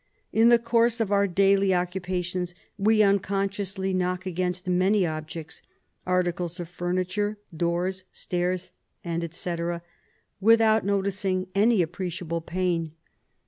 In the course of our daily occupations we unconsciously knock against many objects — articles of furniture, doors, stairs, &c. — without noticing any appreciable pain.